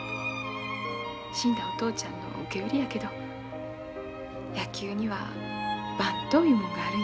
死んだお父ちゃんの受け売りやけど野球にはバントいうもんがあるんや。